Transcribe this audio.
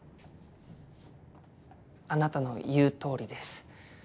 あなたの言うとおりです。